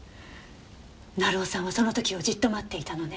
成尾さんはその時をじっと待っていたのね。